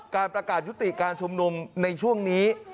การประกาศยุติการชุมนุมในช่วงนี้